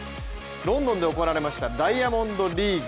ロンドンで行われましたダイヤモンドリーグ。